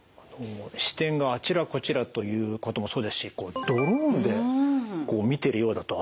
視点があちらこちらということもそうですしドローンで見てるようだと。